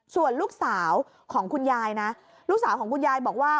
ส่วนลูกสาวของคุณยายนะลูกสาวของคุณยายบอกว่า